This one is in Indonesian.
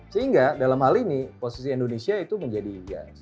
sehingga dalam hal ini posisi indonesia itu menjadi ya